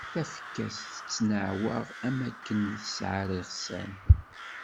Tafekka-s tettnaɛwaɣ am wakken ur tesɛi ara iɣsan.